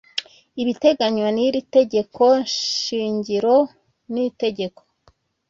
ibiteganywa n iri Tegeko Shingiro n Itegeko